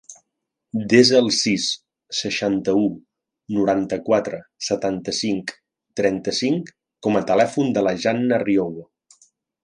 Desa el sis, seixanta-u, noranta-quatre, setanta-cinc, trenta-cinc com a telèfon de la Janna Riobo.